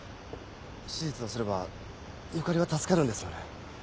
手術をすればゆかりは助かるんですよね。